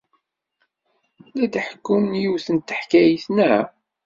La d-tḥekkum yiwet n teḥkayt, naɣ?